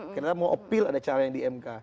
karena mau opil ada cara yang di mk